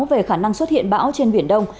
về khả năng xuất hiện bão trên biển đông